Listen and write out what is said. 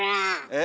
え？